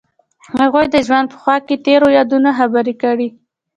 هغوی د ژوند په خوا کې تیرو یادونو خبرې کړې.